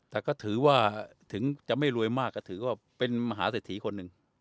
แต่ถึงจะไม่รวยมากก็ถือว่าเป็นมหาเสถียห์คนหนึ่ง